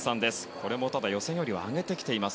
これも予選よりは上げてきています。